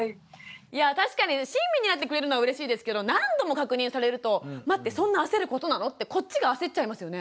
いや確かに親身になってくれるのはうれしいですけど何度も確認されると待ってそんな焦ることなのってこっちが焦っちゃいますよね。